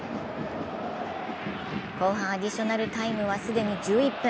後半アディショナルタイムは既に１１分。